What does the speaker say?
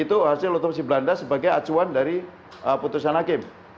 itu hasil otopsi belanda sebagai acuan dari putusan hakim